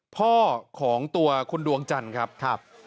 พ่อของตัวคุณดวงจันทร์ครับ